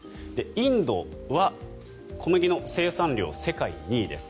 インドは小麦の生産量世界２位です。